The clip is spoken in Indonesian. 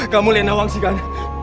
kamu melihat nawangsi kan